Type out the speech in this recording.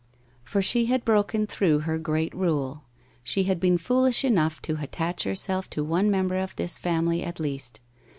For she had broken through her great rule: she had been foolish enough to attach herself to one member of this family, at least.